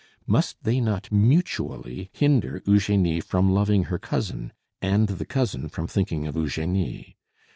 Must they not mutually hinder Eugenie from loving her cousin, and the cousin from thinking of Eugenie?